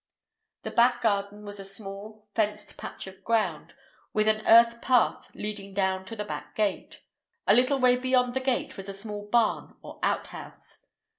The back garden was a small, fenced patch of ground, with an earth path leading down to the back gate. A little way beyond the gate was a small barn or outhouse.